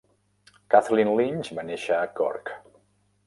Kathleen Lynch va néixer a Cork.